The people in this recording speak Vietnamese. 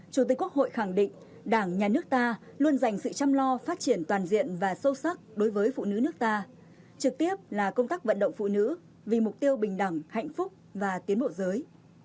chủ tịch quốc hội khẳng định đảng nhà nước ta luôn dành sự chăm lo phát triển toàn diện và sâu sắc đối với phụ nữ nước ta trực tiếp là công tác vận động phụ nữ vì mục tiêu bình đẳng hạnh phúc và tiến bộ giới